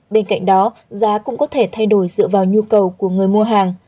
bên cạnh đó giá cũng có thể thay đổi dựa vào nhu cầu của người mua hàng